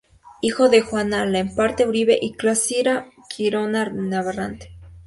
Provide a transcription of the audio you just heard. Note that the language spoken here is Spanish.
Hijo de "Juan Alemparte Uribe" y "Clarisa Quiroga Navarrete".